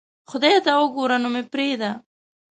خدای ته اوګوره نو مې پریدا